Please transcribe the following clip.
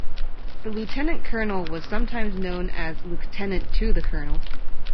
The lieutenant colonel was sometimes known as lieutenant to the colonel.